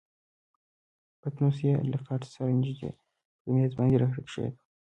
پتنوس یې له کټ سره نژدې پر میز باندې راته کښېښود.